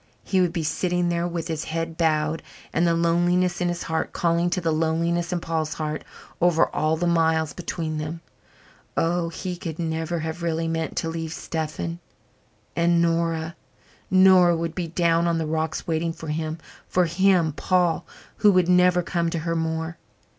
He would be sitting there with his head bowed and the loneliness in his heart calling to the loneliness in Paul's heart over all the miles between them. Oh, he could never have really meant to leave Stephen. And Nora? Nora would be down on the rocks waiting for him for him, Paul, who would never come to her more.